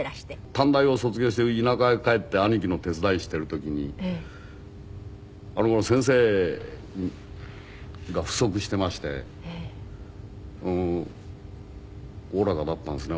短大を卒業して田舎へ帰って兄貴の手伝いしてる時にあの頃先生が不足してましておおらかだったんですね。